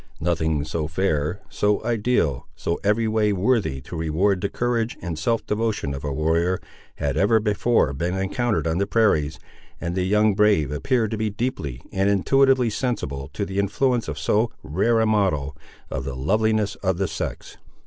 Nothing so fair, so ideal, so every way worthy to reward the courage and self devotion of a warrior, had ever before been encountered on the prairies, and the young brave appeared to be deeply and intuitively sensible to the influence of so rare a model of the loveliness of the sex.